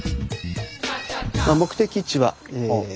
目的地はえ